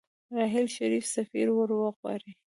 راحیل شريف سفير ورغواړي.